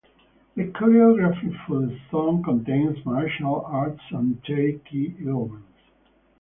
The choreography for the song contains martial arts and Tai chi elements.